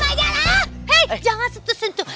hei jangan sentuh sentuh